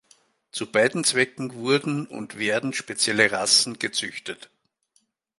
Zu beiden Zwecken wurden und werden spezielle Rassen gezüchtet.